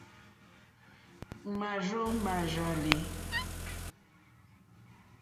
Màrzô màrzàlì.